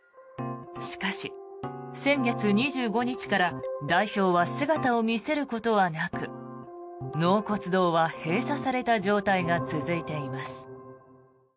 しかし、先月２５日から代表は姿を見せることはなく納骨堂は閉鎖された状態が続いています。